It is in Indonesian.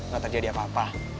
gak terjadi apa apa